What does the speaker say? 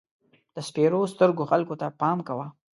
د سپېرو سترګو خلکو ته پام کوه.